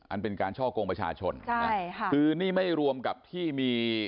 อันเป็นการช่อกงประชาชนใช่ค่ะคือนี่ไม่รวมกับที่มี